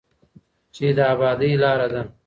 چې د ابادۍ لاره ده.